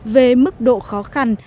về mức độ khó khăn